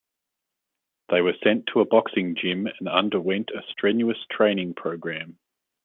They were sent to a boxing gym and underwent a strenuous training program.